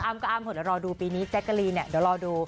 อ้ำกับอ้ำเผิดแล้วรอดูปีนี้จ๊ะกะรี้น่ะเดี๋ยวรอดู